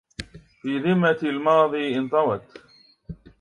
في ذمة الماضي انطوت